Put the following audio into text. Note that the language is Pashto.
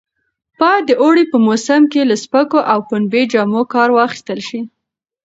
باید د اوړي په موسم کې له سپکو او پنبې جامو کار واخیستل شي.